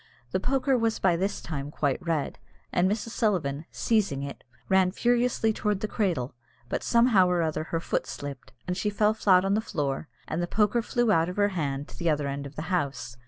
The poker was by this time quite red, and Mrs. Sullivan, seizing it, ran furiously towards the cradle; but somehow or other her foot slipped, and she fell flat on the floor, and the poker flew out of her hand to the other end of the house.